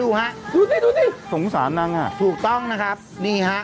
ฮะดูดิดูดิสงสารนางอ่ะถูกต้องนะครับนี่ฮะ